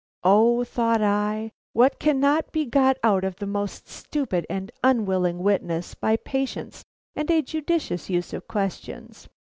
O, thought I, what cannot be got out of the most stupid and unwilling witness by patience and a judicious use of questions.